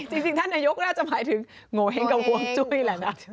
จริงท่านนายกน่าจะหมายถึงโงเห้งกับห่วงจุ้ยแหละนะ